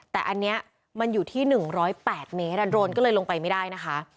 แต่อันนี้มันอยู่ที่๑๐๘เมตรโรนก็เลยลงไปไม่ได้นะคะ